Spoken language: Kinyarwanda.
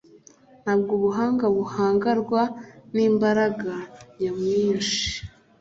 nta bwo ubuhanga buhangarwa n’imbaga nyamwinshi